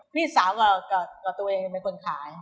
พี่สาวกับตัวเองเป็นคนขาย